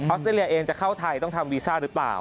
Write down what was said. สเตรเลียเองจะเข้าไทยต้องทำวีซ่าหรือเปล่า